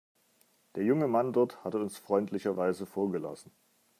Der junge Mann dort hat uns freundlicherweise vorgelassen.